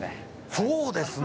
そうですね。